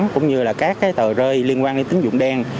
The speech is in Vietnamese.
cũng như là các tờ rơi liên quan đến tính dụng đen